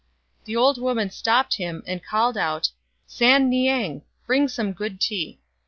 The old woman stopped him, and called out, " San niang ! bring some good tea."